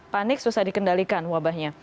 panik susah dikendalikan wabahnya